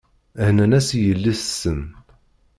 Hennan-as i yelli-tsen.